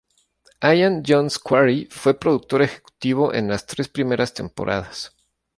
Ian Jones-Quartey fue productor ejecutivo en las tres primeras temporadas.